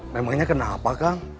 memangnya kenapa kang